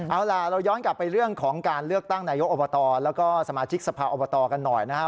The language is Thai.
เอาล่ะเราย้อนกลับไปเรื่องของการเลือกตั้งนายกอบตแล้วก็สมาชิกสภาอบตกันหน่อยนะครับ